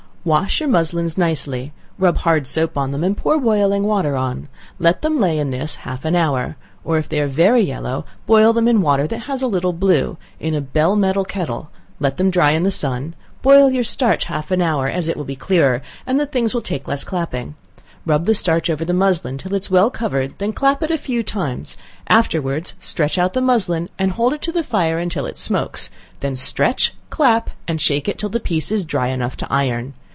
Wash your muslins nicely; rub hard soap on them, and pour boiling water on, let them lay in this half an hour, or if they are very yellow, boil them in water that has a little blue, in a bell metal kettle, let them dry in the sun, boil your starch half an hour, as it will be clearer, and the things will take less clapping, rub the starch over the muslin until it is well covered, then clap it a few times, afterwards stretch out the muslin and hold it to the fire until it smokes, then stretch, clap, and shake it until the piece is dry enough to iron.